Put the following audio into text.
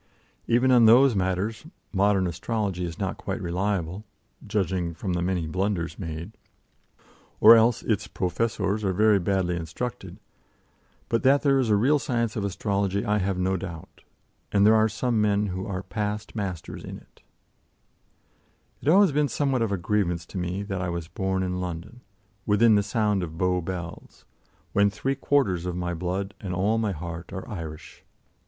Even on those matters modern astrology is not quite reliable judging from the many blunders made or else its professors are very badly instructed; but that there is a real science of astrology I have no doubt, and there are some men who are past masters in it. [Illustration: Horoscope of Annie Besant.] It has always been somewhat of a grievance to me that I was born in London, "within the sound of Bow Bells," when three quarters of my blood and all my heart are Irish.